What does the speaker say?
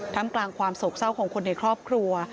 ทำกลางความโศกเศร้าของคนในครอบครัว